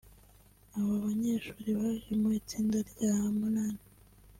Aba banyeshuri baje mu itsinda rya munani